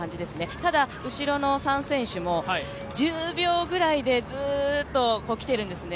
ただ、後ろの３選手も１０秒ぐらいでずっと来ているんですね。